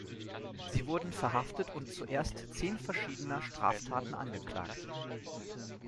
Sie wurden verhaftet und zuerst zehn verschiedener Straftaten angeklagt.